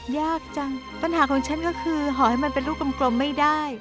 ยากจังปัญหาของฉันก็คือห่อให้มันเป็นลูกกลมไม่ได้